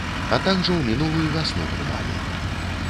А так жа ў мінулую вясну прымалі.